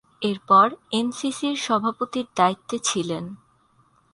এরপর এমসিসির সভাপতির দায়িত্বে ছিলেন।